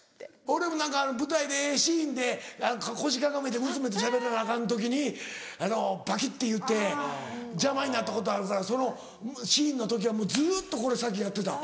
俺も何か舞台でええシーンで腰かがめて娘としゃべらなアカン時にバキっていうて邪魔になったことあるからそのシーンの時はもうずっとこれ先やってた。